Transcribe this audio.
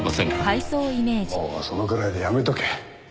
もうそのぐらいでやめとけ。